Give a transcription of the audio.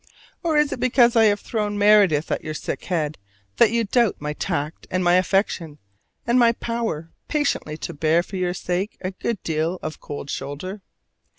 Or is it because I have thrown Meredith at your sick head that you doubt my tact and my affection, and my power patiently to bear for your sake a good deal of cold shoulder?